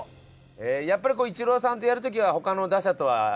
やっぱりイチローさんとやる時は他の打者とは違うものですか？